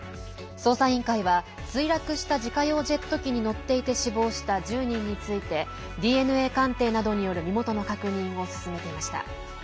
捜査委員会は墜落した自家用ジェット機に乗っていて死亡した１０人についてＤＮＡ鑑定などによる身元の確認を進めていました。